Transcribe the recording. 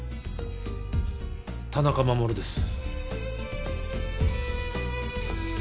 田中守です。